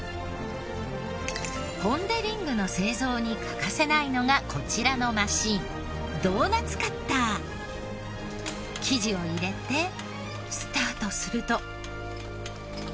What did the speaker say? ポン・デ・リングの製造に欠かせないのがこちらのマシン生地を入れてスタートすると。